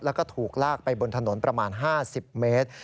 แล้วก็ถูกลากไปบนถนนประมาณ๕๐เมตร